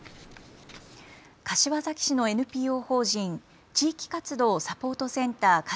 柏崎市のＮＰＯ法人、地域活動サポートセンター